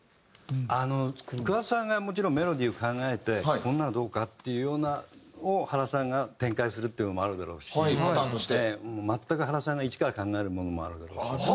あの桑田さんがもちろんメロディーを考えてこんなのどうか？っていうようなのを原さんが展開するっていうのもあるだろうし全く原さんが一から考えるものもあるだろうし。